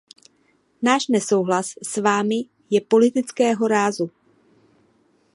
Náš nesouhlas s vámi je politického rázu.